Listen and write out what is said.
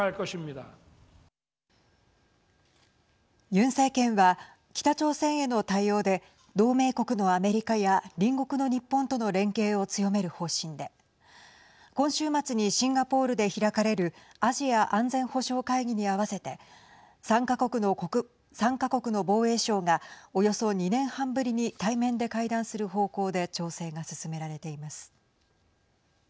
ユン政権は、北朝鮮への対応で同盟国のアメリカや隣国の日本との連携を強める方針で今週末にシンガポールで開かれるアジア安全保障会議に合わせて３か国の防衛相がおよそ、２年半ぶりに対面で会談する方向で調整が進められています。